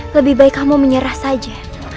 lebih baik kamu menyerah saja